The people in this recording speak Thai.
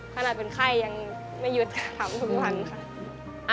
ขนาดเป็นไข้ยังไม่หยุดค่ะทำทุกวันค่ะ